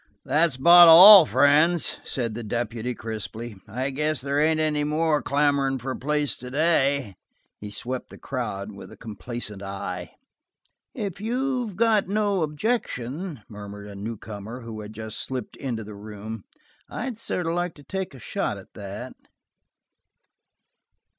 "That's about all, friends," said the deputy crisply. "I guess there ain't any more clamorin's for a place today?" He swept the crowd with a complacent eye. "If you got no objection," murmured a newcomer, who had just slipped into the room, "I'd sort of like to take a shot at that."